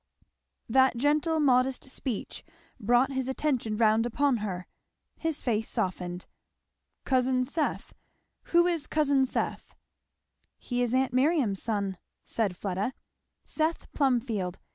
That gentle modest speech brought his attention round upon her. His face softened. "Cousin Seth? who is cousin Seth?" "He is aunt Miriam's son," said Fleda. "Seth Plumfield.